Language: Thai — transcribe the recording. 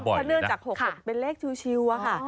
พะเนินจาก๖๖เป็นเลขชิวค่ะ